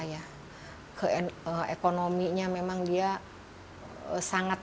metara peking itu memang keadaan ekonomi yang pertama ya ke ekonominya memang dia sangat